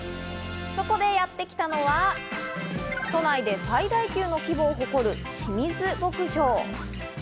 そこでやってきたのは都内で最大級の規模を誇る清水牧場。